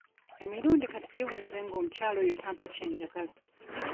Emirundi kati giweze ng'omukyala oyo tampa kye njagala.